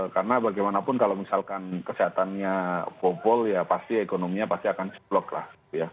karena bagaimanapun kalau misalkan kesehatannya popol ya pasti ekonominya pasti akan seblok lah